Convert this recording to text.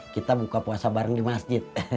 kita buka puasa bareng di masjid